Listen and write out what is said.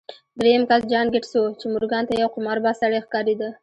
درېيم کس جان ګيټس و چې مورګان ته يو قمارباز سړی ښکارېده.